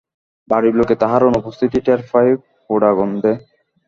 বাড়ির লোকে তাহার অনুপস্থিতি টের পায় পোড়া গন্ধে।